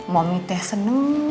mau minta senang